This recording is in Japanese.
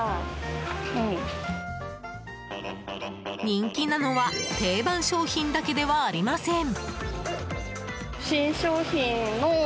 人気なのは定番商品だけではありません。